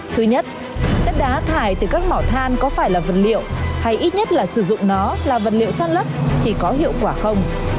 thứ nhất đất đá thải từ các mỏ than có phải là vật liệu hay ít nhất là sử dụng nó là vật liệu san lấp thì có hiệu quả không